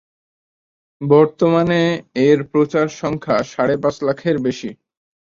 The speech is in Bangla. বর্তমানে এর প্রচার সংখ্যা সাড়ে পাঁচ লাখের বেশি।